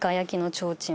ちょうちん。